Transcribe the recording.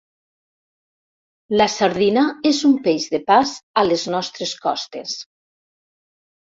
La sardina és un peix de pas a les nostres costes.